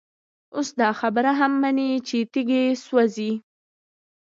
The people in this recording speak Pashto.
اوس دا خبره هم مني چي تيږي سوزي،